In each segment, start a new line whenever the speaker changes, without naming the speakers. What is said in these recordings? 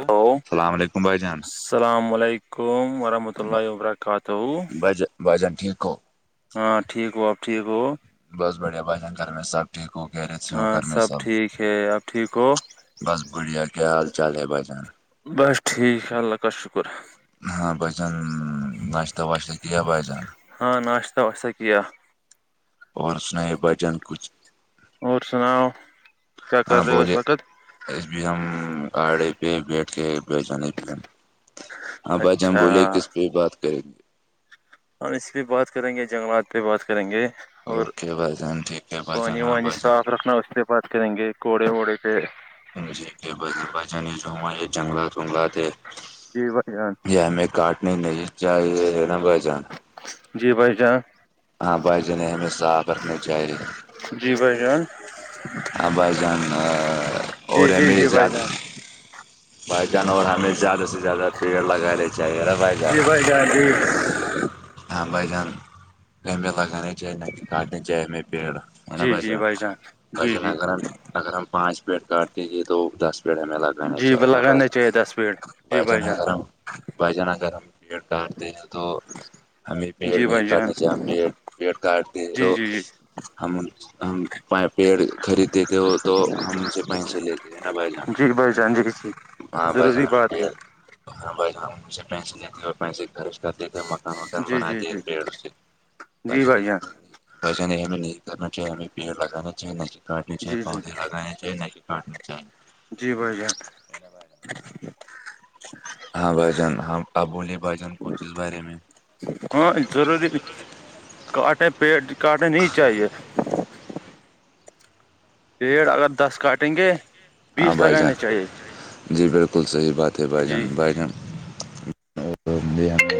hello
السلام علیکم بھائی جان
السلام علیکم ورحمۃ اللہ وبرکاتہ
ب جنٹ کو
ہاں ٹھیک ہو آب ٹھیک ہو
بس بڑھیا بھائی جان گھر میں سب ٹھیک ہو کہہ رہے تھ ہو
ہاں
گھر میں سب
ٹھیک ہے آپ ٹھیک ہو
بس بڑھیا کیا حال چال ہے بچان
بس ٹھیک شاء اللہ کاال شکر
ہاں ب ا اان ن نہشتہ واشتہ کی بان
ہاں ناشتہ واشتہ کیا
اور اسنیح بھجن کچھ
اور سناؤ کیا کر رہے اس وقت
ا بھی ہم گاڑی پہ بیٹھ کے بیچو نہیں ہاں ب ج ہم
اچھا
بولے کس پہ بات کریں گے
اور اس پہ بات کریں گے جنگلات پہ بات کریں گے اور
اوکے بھ جان ٹھیک ہے بھ جان
پانی
ہاں
وانی
بجان
صاف رکھنا اس پہ بات کریں گے کوڑے ووڑے پہ
ان جی کے بذیبہ جن جو یہ جنگلات ونگلات ہے
جی بھائی جان
یہیا ہمیں کاٹنے نہیں چاہیے نا بھ جان
جی بھائی جان
ہاں بھائی جانیں ہمیں سا آ کرنے چاہیے
جی بھائی جان
آ با جان
جی
اورورے
جی
میرے
جی بھائی
زد
جان
بائی جانور ہمیں زیادہ سے زیادہ پیڑ لگانے چاہیےا بائی
جی ب جاد
ہم بائی جان گغمبے لگان ا چائے ن کہہ کٹن چائے ہم بیڑ ہے نا
جی جی
بچان
بھائی جان جی
بچان
جی
اگر ہم اگر ہم پانچ پٹ کاٹ کے یہ دو دس پیڑ ہمیں لگانا
جی ب
چاہیے نا
لگانا
پہلے
چاہیے دس پیڑ جی بھائی جان
بھجنگررم بجنگررم پٹار دین تو ہمیں پیڑ
جی
نہیں
بھائی جان
کاٹنے چاہیے ہم پیڑ پیڑ کاٹتے ہیں تو
جی جی جی
ہم پیڑ خریدتے تھے وہ تو ہم سے پیسے لیتے ہیں نا بھائی
جی بھائی جان جی جی
ہاں بس
ضروری بات ہے
ہاں بھائی جان ان سے پیسے دیتے ہیں اور پیسے خرچ کرتے ہیں مکان وکان
جی جی
بناتے ہیں
جی جی
پیڑوں سے
جی بھائی جان
بھائی جان نہیں ہمیں نہیں کرنا چاہے ہمیں پیڑ لگانا چاہ ناے کاٹنے چاہیے
جی جی
پودے لگانیں چاہیے نا کہ کاٹنے چاہیے
جی بھائی جان
ہاں بھائی جان ہاں آپ بولیے بھائی جان کچھ اس بارے میں
ہاں ضروری کاٹے پیٹ کاٹے نہیں چاہیے پیڑ اگر دس کاٹیں گے
ہاں
بیس
بھائی جان
لگانے چاہیے
جی بالکل صحیح بات ہے بھائی جان
جی
بھائی جان اور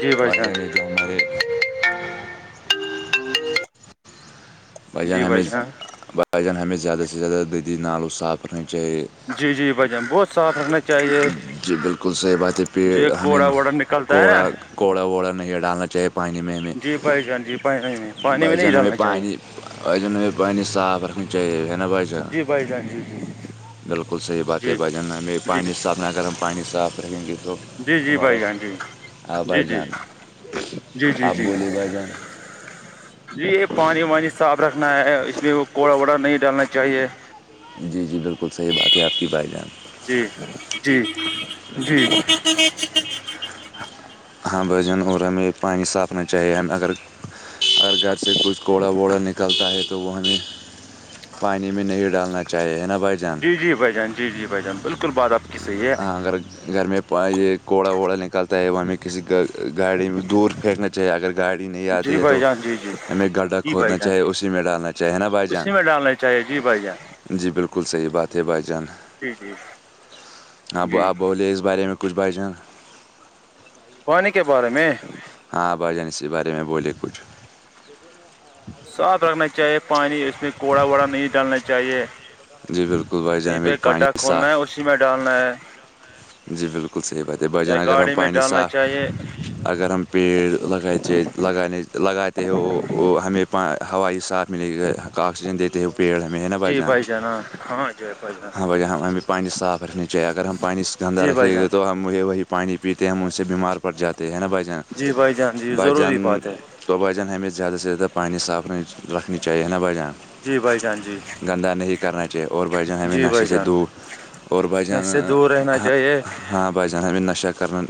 جی بھائی جان
بھائی جان ہمیں بھائی جان ہمیں زیادہ سے زیادہ ندی نالوں صاف رکھنی چاہیے
جی جی بھائی جان بہت صاف رکھنا چاہیے
جی بالکل صحیح بات ہے
یہ کوڑا وڑا نک نکلتا ہے نا
کڑا ووڑا نہیں ڈالنا چاہیے پانی میں ہمیں
جی بھائی جان جی پانی میں پانی میں
بھائی
نہیں
جان ہمیں
ڈالنا چاہیے
پانی بھائی جان ہمیں پانی صاف رکھنا چاہیے ہے نا بھائی جان
جی بھائی جان جی جی
اچھا بالکل صحیح بات ہے
جی
بھائی جان ہمیں
جی
پانی صاف اگر ہم پانی صاف رکھیں گے تو
جی جی
ہمارا
بھائی ہاں جی
ہاں
جی
بھائی جان
جی جی جی
آپ
جی
بولیے بھائی جان
جی یہ پانی وانی صاف رکھنا ہے اس میں وہ کوڑا ووڑا نہیں ڈالنا چاہیے
جی جی بالکل صحیح بات ہے آپ کی بھائی جان
جی جی جی
ہاں بھائی جان اور ہمیں پانی صاف رکھنے چاہیے اگر اگر گھر سے کچھ کوڑا ووڑا نکلتا ہے تو وہ ہمیں پانی میں نہیں ڈالنا چاہیے ہے نا بھائی جان
جی جی بھائی جان جی جی بھائی جان بالکل بات آپ کی صحیح
ہاں
ہے
اگر گھر میں یہ کوڑا ووڑا نکالتا ہے وہ ہمیں کسی گاڑی میں دور پھینکنا چاہیے اگر گاڑی نہیں آتی
جی
ہے
بھائی
تو
جان جی جی
ہمیں گڈھا
جی بھائی
کھودنا
جان
چاہے اسی میں ڈالنا چاہیے ہے نا بھائی جان
اچھا جی بھائی جان
جی بالکل صحیح بات ہے بھائی جان
جی جی
اب
جی
آپ بولے اس بارے میں کچھ بھائی جان
پانی کے بارے میں
ہاں بھائی جان اسی بارے میں بولے کچھ ہ
صاف رکھنا چاہیے پانی اس میں کوڑا وڑا نہیں ڈالنا چاہیے
جی بالکل بھائی جان
کہیں
ہمیں
پہ گڈھا
پانی
کھود نا ہے
صاف
اسی میں ڈالنا ہے
جی بالکل صحیح بات ہے بھائی
یا
جان اگر ہم
گاڑی میں
پانی
ڈالنا
صاف
چاہیے
اگر ہم پیڑ لگاتے تھے لگانے لگاتے ہو وہ ہمیں ہوائی ساف ملے گے آکسیجن دیتے وہ پیڑ ہمیں ہے نا بھائی
جی
جان
ہاں ہاں جی جان
ہاں بھائی ت ہمیں پانیس صاف رکھنا چاہے اگر ہم پانی گندا
جی بھائی
رکھے
جان
گے تو ہم وہ وہی پانی پیتے ہیں ہم ان سے بیمار پڑ جاتے ہیں ہے نا بھائی جان
جی بھائی جان جی
بھائی جان
ضروری بات ہے
تو بھائی جان ہمیں زیادہ سے زیادہ پانی صاف رکھنا چاہیے ہے نا بھائی جان
جی بھائی جان جی
گندا نہیں کرنا چاہیے اور بھائی جان ہمیں
جی
نشے
بھائی
سے
جان
دور اور بھائی
نش
جان
سے دور رہنا چاہیے
ہاں بھائی جان ہمیں نشہ کرنا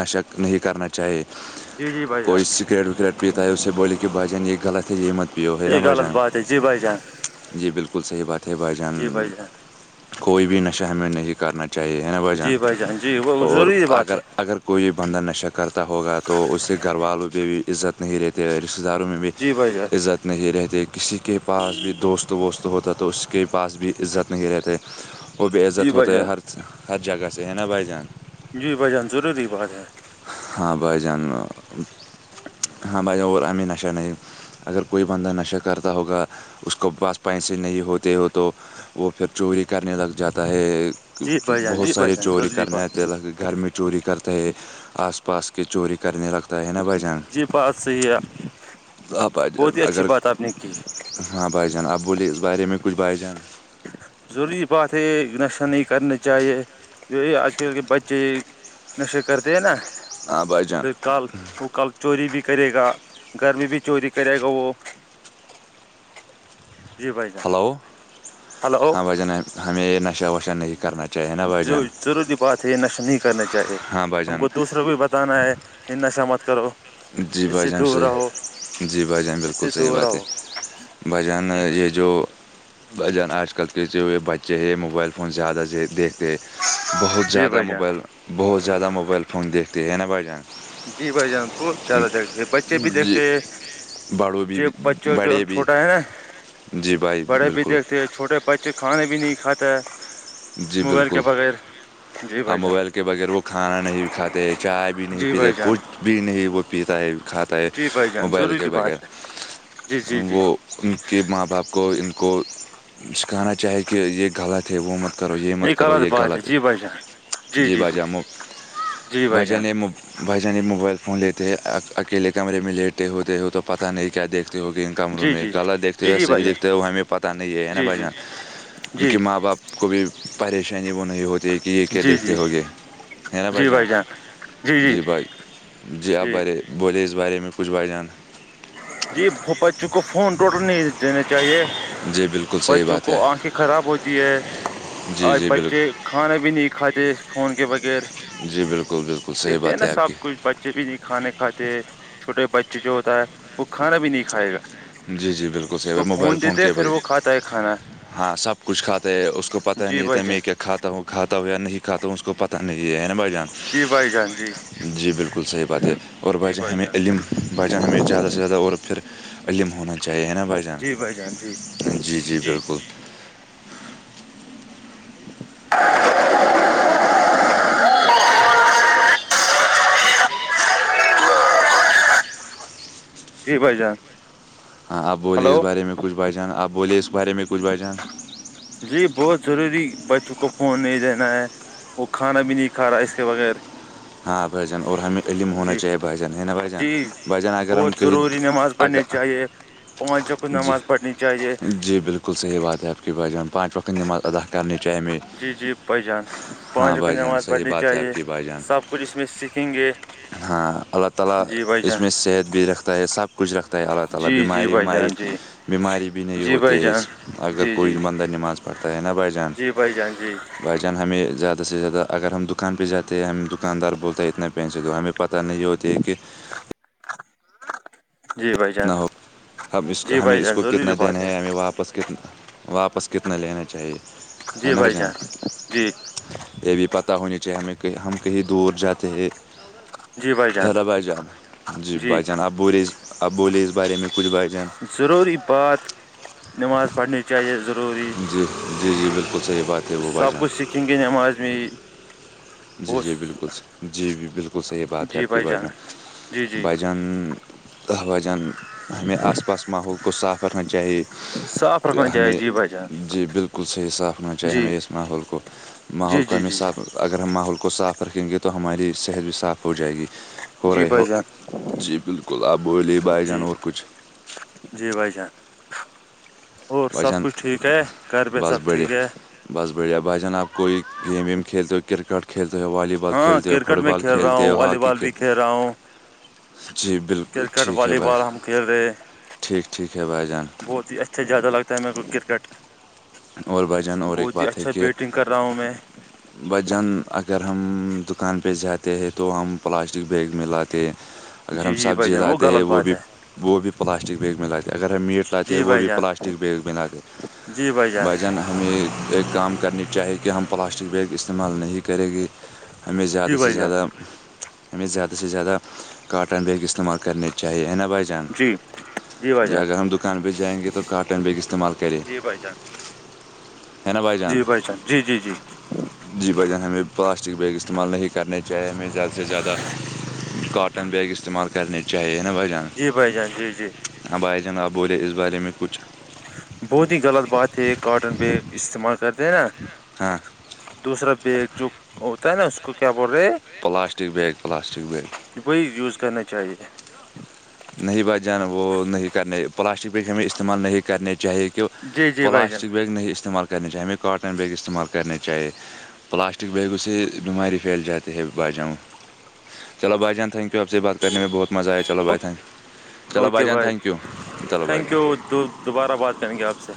نشہ نہیں کرنا چاہے
جی جی بھائی
کوئی
جان
سگریٹ وگریٹ پیتا ہے اسے بولے کہ بھائی جان یہ غلط ہے یہ مت پیو ہے نا
یہ
بھائی
غط
جان
بات ہے جی بھائی جان
جی بالکل صحیح بات ہے بھائی جان
جی بھائی جان
کوئی بھی نشہ ہم ہم نہیں کرنا چاہیے وجہن
جی بھائی جان جی وہ
اور
ضروری بات
اگر
ہے
اگر کوئی بندہ نشہ کرتا ہوگا تو اس سے گھر والوں پہ بھی عزت نہیں رہتے رشتتے داروں میں بھی
جی بھائی جان
عزت نہیں رہتے کسی کے پاس بھی دوست ووست ہوتا تو اس کے پاس بھی عزت نہیں رہتے وہ بے
جی
عزت
بھائی
ہوتا ہے
جان
ہر ہر جگہ سے ہے نا بھائی جان
جی بھ جان ضروری بات ہے [inaudible]
ہاں بھائی جاان ہاں بھائی جا اور امی نشا نہیں اگر کوئی بندہ نشہ کرتا ہوگا اس کو پاعس پیسے نہیں ہوتے ہو تو وہ پھر چوری کرنے لگ جاتا ہے
جی بھائی جان
بہت
جی بھائی
سارے
جان
چوری
ضروری
کرنے
بات
آتے
ہے
ل گھر میں [inaudible] چوری کرتا ہے آس پاس کے چوری کرنے لگتا ہے نا بھائی جان
جی بات صحیح ہے
ہاں بھائی جان
بہت ہی اچھی
اگر
بات آپ نے کی
ہاں بائی جان ابوللیے بارے میں کچھ بائی جان
ضروری بات ہے نشہ نہیں کرنا چاہیے کی اج کل کے بچے نشے کرتے ہیں نا
ہاں بائی جان
پھر کل وہ کل چوری بھی کرے گا گھر میں بھی چوری کرے گا وہ جی بھائی جان
ہلو
ہلو
ہاں بھجان ہمیں یہ نشہ وش
جو جروری بات [unintelligible] یہ نشہ نہیں کرنا چاہیے
ہاں بھائی
ہم
جان
کو دوسروں کو بھی بتانا ہے یہ نشہ مت کرو
جی
اس
بھائی
سے
جان
دور رہو
صحیح جی بھائی جان
اس
بالکل
سے
صحیح
دور
بات ہے
رہو
بھجن
جی بھائی
یہ جو بھجن آج کل کتے ہوئے بچے ہیں موبائل فون زیادہ دیکھتے بہت
جان جی
زیادہ
بھائی جان
موبائل بہت زیادہ موبائل فون دیکھتے ہے نا بھائی جان
جی بھائی جان بہت زیادہ جیکگتے ہیں بچے بھی دیکھتے
جی
ہیں
بڑوں بھی
ج بچوں جو
بڑے بھی
چھوٹا ہے نا [inaudible]
جی بھائی
بڑے بھی
بالکل
دیکھتے ہیں چھوٹے بچے کھانے بھی نہیں کھاتے ہے موبائل کے بغیر [inaudible]
ہ
بھائی جان
موبائل کے بغیر وہ کھانا نہیں کھاتے چائے بھی نہیں
جی
پیتے
بھائی جان
کچھ بھی نہیں وہ پیتا ہے کھاتا ہے
جی بھائی جان
موبائل کے
ضروری
بغیر
بات ہے جی جی جی
وہ ان کے ماں باپ کو ان کو [inaudible] سکھانا چاہے کہ یہ غلط ہے وہ مت کرو یہ مت کرو یہ
بات
غلط ہے
جی بھائی جان
جی باجا مفت
جی بھائی جان
بھجنم [inaudible] بھائی جان موبائل فون لیتے ہیں اکیلے کمرے میں لیٹے ہوتے ہو تو پتہ نہیں کیا دیکھتے ہوگے کمروں
جی
میں
جی
غط دیکھتے
جی
ہو
جی
صحیح
بھائی جان
دیکھتے ہو ہمیں پتا نہیں ہے نا
جی
بھ
جی
جان ان
جی
کے ماں باپ کو بھی پریشانی وہ نہیں ہوتی ہے کہ یہ کیا
جی
دیکھتے
جی
ہوگے ہے نا بھائی
جی
جہاں
جان
جی بھائی جی آپ بارے بولے اس بارے میں کچھ با جان
جی بچوں کو فون ٹوٹل نہیں دیا چاہیے
جی بالکل
[inaudible]
صحیح
بچوں
بات ہے
کو آنکھیں خراب ہوتی ہے
جی
آج
جی
بچے
بالکل
کھانا بھی نہیں کھاتے د فون کے بغیر
جی بالکل بالکل صحیح
دیکھے
بات
نا
ہے آپ
سب
کی
کچھ [inaudible] بچے بھی نہیں کھانے کھاتے چھوٹے بچے جو ہوتا ہے وہ کھانا بھی نہیں کھائے گا [inaudible]
جی جی بالکل
اس
صحیح
کو
بھ موبائل فون
دیتے
کے
پھر
بجے
وہ کھاتا ہے کھانا
ہاں سب کچھ کھاتے ہے اس کو پتہ ہی
جی
نہیں
بھائی
تھا
جان
میں کیا کھا ہوں کھاتا ہو یا نہیں کھاتا ہوں اس کو پتا نہیں ہے نا بھائی جان
جی بھائی جان جی
جی بالکل صحیح بات ہے اور بھ
جی
جان
بھائی
ہمیں علم بھ جان ہمیں زیادہ سے زیادہ اور پھر علم ہونا چاہیے نا بھائی جان جی جی بالکل
[inaudible] جی بھ جان [unintelligible]
ہاں ابولے اس
ہلو
بارے میں کچھ بچان ابولے اس بارے میں کچھ بچان
جی بہت ضروری بچوں کو فون نہیں دینا ہے وہ کھانا بھی نہیں کھا رہا اس کے بغیر
ہاں بھجان اور ہمیں علم ہونا
جی
چاہیے بھائیجان ہے نا بھجان
جی
بھائیجان اگر ہم
بہت
کہیں
ضروری نماز
اگر
پڑھنی چاہیے پانچ چکر نماز پڑھنی چاہیے
لحیح بات ہےپ کی بات پانچقت نماز ادا کرنی چاہ ہم
جی جی بھائی جان
ہاں
پانچوں کو
باائی جان
نماز
صحیح
پڑھنی
بات ہے آپ
چاہیے
کی باائی جان
سب کچھ اس میں سیکھیں گے
ہاں اللہ تعالی
جی بھائی
اس میں
جان
صحت بھی رکھتا ہے سب کچھ رکھتا ہے اللہ تالی
جی جی
بیماری
بھائی
وماری
جان جی
بیماری بھی نہیں
جی بھائی
ہوتے
جان
اس اگر
جی جی
کوئی بندہ نماز پڑھتا ہے نا بھائی جان
جی بھائی جان جی
بھائی ہمیں زیادہ سے زیادہ اگر ہم دکان پہ جاتے ہیں ہم دکاندار بولتا ہے اتنا پہنچے دو ہمیں پت نہیں ہوتی ہے کہ
جی بھائی جان
کتنا ہو
جی
ہمیں
بھائی
اس
جان
کو
ضروری
کتنا
بات
دینا ہے ہمیں واپس کتنا واپس کتنا لینا چاہیے
جی بھائی جان جی
یہ بھی پتا ہونا چاہیے ہمیں کہ ہم کہیں دور جاتے ہیں
جی بھائی جان
خر بھائی جان جی بھائی جان ابوری بولیز بارے میں کچھ باچان
ضروری بات نماز پڑھنے چاہیے ضروری
جی جی جی بالکل صحیح بات ہے وہ بھائی
سب
جان
کچھ سکھیں گندماازمی
جی جی بالکل جی جی بالکل صحیح بات ہے آپ کی بھائی جان
جی جی
بھائی جان دہ بجن ہمیں آس پاس ماحول کو صاف رکھنا چاہیے
صاف رکھنا چاہیے
ہمیں
جی بھائی جان
جی بالکل صحیح صاف ن چاہے ہم
جی
اس ماحول کو ماحول
جی جی
کوم
جی
حساب اگر ہم ماحول کو صاف رکھیں گے تو ہماری صحت بھی صاف ہو جائے گی ہو
جی
رہے ہو
بھائی جان
جی بالکل آپ بوولے بھائی جان
جی
اور کچھ
جی بھائی جان اور
بھائی
سب
جان
کچھ ٹھیک ہے گھر پہ
بس
سب
بڑھیا
ٹھیک ہے
بس بڑھیا بھائی جان آپ کوئی گیم ویم کھیلتے ہو کرکٹ کھیلتے ہو والی بال
ہاں
کھیلتے ہو فٹ
کرکٹ میں
بال
کھیل رہا
کھیلتے
ہوں
ہو
والی
ہاکی
بال
کھیل
بھی رہا ہوں
جی بالکل
کرکٹ
ٹھیک ہے
والی
بھائی
بال ہم کھیل رہے
ٹھیک ٹھیک ہے بھائی جان
بہت ہی اچھا زیادہ لگتا ہے میرے کو کرکٹ
اور بھائی
بہت ہی اچھا بیٹنگ کر رہا ہوں میں
[inaudible] ب جان اگر ہم دکان پہ جاتے ہیں تو ہم پلاسٹک بیگ میں لاتے ہیں اگر ہم
جی جی بھائی
سبزی
جان
لاتے ہیں
غلط
وہ
بات
بھی
ہے
وہ بھی پلاسٹک بیگ میں لاتے ہیں اگر ہم میٹ لاتے ہیں
جی
وہ
بھائی
بھی
جان
پلاسٹک بیگ میں لاتے ہیں
جی بھائی
بھا جان ہمیں ایک کام کرنی چاہیے کہ ہم پلاسٹک بیگ استعمال نہیں کریں گے ہمیں زیادہ
جی
سے
بھائی جان
زیادہ ہم زیادہ سے زیادہ کااٹن بیگ استعمال کرنے چاہیے نا با کاٹن
جی جی بھائی
ج
جان
اگر ہم دکان پہ جائیں گے تو کاٹن بھی استعمال کرے
پ
ہے نا بھائی جان
جی جی جی
جی بھائی جان ہمیں پلاسٹک بیگ استعمال نہیں کرنے چاہی ہمیں زیادہ سے زیادہ کاٹن بیگ استعمال کرنے چاہیے نا بھائی جان
جی بھائی جان جی جی
آبائ جنگ آ بولے اس بارے میں کچھ
بہت ہی غلط بات ہے یہ کاٹن بیگ استعمال کرتے ہیں نا
ہاں
دوسرا بیگ جو ہوتا ہے نا اس کو کیا بول رہے
پلاسٹک بیگ پلاسٹک بیگ
وہی یوز کرنا چاہیے
نہیں بچ جانا وہ نہیں کرنے پلاسٹک پہ ہمیں استعمال نہیں کرنے چاہیے کہ
جی جی بھائی جان
پلاسٹک بیگ نہیں استعمال کرنے چاہیے ہمیں کااٹن بیگ استعمال کرنے چاہیے پلاسٹک بیگوں سے بیماری پھیل جاتی ہے با جؤں چلو بائی جان تھین یو آپ سے بات کرنے میں بہت مزہ آیا چلو بھائی تھین
اوکے بھائی
چلو
تھینک
بھائی جان
یو دوبارہ بات کریں گے آپ سے